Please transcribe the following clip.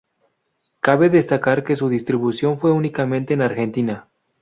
Cabe destacar que su distribución fue únicamente en Argentina.